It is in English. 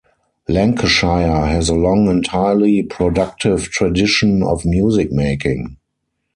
Lancashire has a long and highly productive tradition of music making.